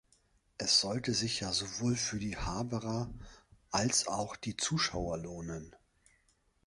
Es sollte sich ja sowohl für die Haberer als auch die Zuschauer lohnen.